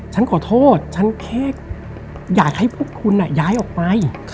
ฉันขอโทษฉันแค่อยากให้พวกคุณย้ายออกไป